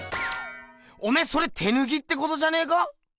おめえそれ手ぬきってことじゃねえか？